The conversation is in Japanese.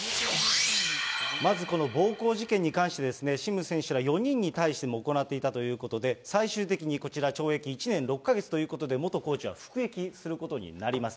まずこの暴行事件に関して、シム選手ら４人に対しても行っていたということで、最終的にこちら、１年６か月ということで、元コーチは服役することになります。